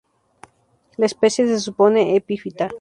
La especie se supone epífita.